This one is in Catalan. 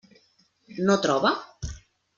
No troba?